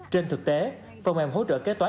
trên thực tế phần mềm hỗ trợ kế toán